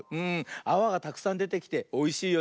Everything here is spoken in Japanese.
あわがたくさんでてきておいしいよね。